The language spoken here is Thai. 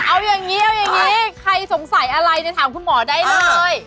เอาอย่างนี้ใครสงสัยอะไรเนี่ยถามคุณหมอได้เลย